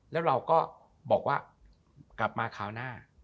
แล้วเราก็บอกว่ากลับมาคราวหน้า